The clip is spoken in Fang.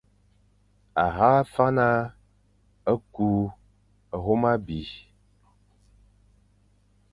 A hagha fana ku hyôm abî,